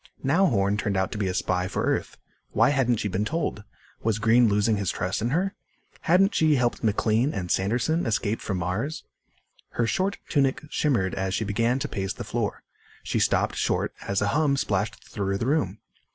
Now Horn turned out to be a spy for Earth. Why hadn't she been told? Was Green losing his trust in her? Hadn't she helped McLean and Sanderson escape from Mars? Her short tunic shimmered as she began to pace the floor. She stopped short as a hum splashed through the room.